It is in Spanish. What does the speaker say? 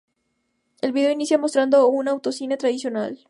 El vídeo inicia mostrando un autocine tradicional.